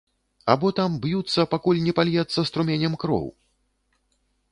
Або там б'юцца, пакуль не пальецца струменем кроў?